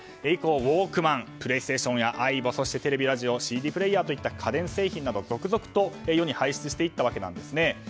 以降、ウォークマンプレイステーションやアイボそしてテレビ、ラジオＣＤプレーヤーなど家電製品など続々と世に輩出していったんですね。